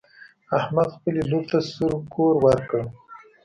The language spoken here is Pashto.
احمد خپلې لور ته سور کور ورکړ.